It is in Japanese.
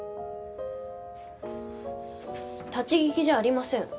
立ち聞きじゃありません。